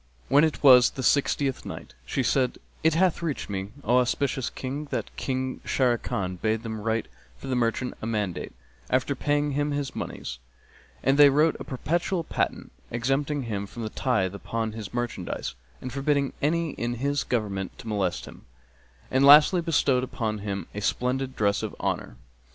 When it was the Sixtieth Night, She said, It hath reached me, O auspicious King, that King Sharrkan bade them write for the merchant a mandate, after paying him his monies; and they wrote a perpetual patent, exempting him from the tithe upon his merchandise and forbidding any in his government to molest him; and lastly bestowed upon him a splendid dress of honour.